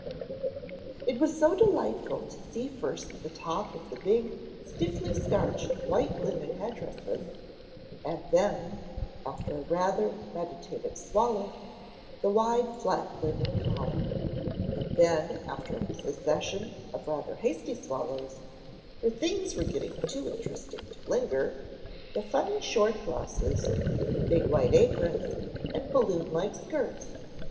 It was so delightful to see first the top of the big, stiffly starched white linen headdresses, and then, after a rather meditative swallow, the wide flat linen collar, and then after a succession of rather hasty swallows, for things were getting too interesting to linger, the funny short blouses, the big white aprons and balloon like skirts.